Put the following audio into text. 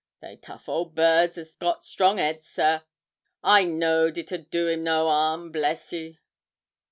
They tough old birds 'a' got strong 'eads, sir; I knowed it 'ud do him no 'arm, bless ye!'